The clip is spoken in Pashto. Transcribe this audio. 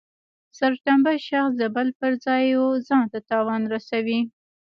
سرټنبه شخص د بل پر ځای و ځانته تاوان رسوي.